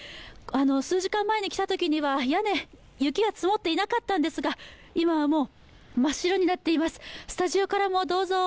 数時間前に来たときには屋根、雪が積もっていなかったんですが、今はもう真っ白になっています。